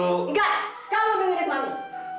enggak kamu dengerin mami